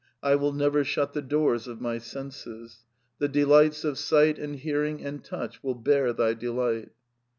... "I will never shut the doors of my senses. The delights of sight and hearing and touch will bear ihy delight.''